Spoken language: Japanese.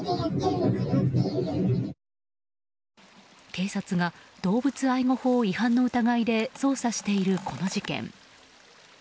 警察が動物愛護法違反の疑いで捜査しているこの事件。